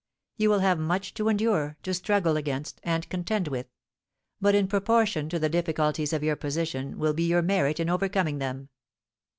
You will have much to endure, to struggle against, and contend with; but in proportion to the difficulties of your position will be your merit in overcoming them.